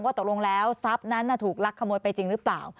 ตกลงแล้วทรัพย์นั้นถูกลักขโมยไปจริงหรือเปล่า